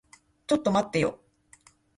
ちょっと待ってよ。